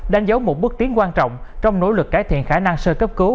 đánh dấu một bước tiến quan trọng trong nỗ lực cải thiện khả năng sơ cấp cứu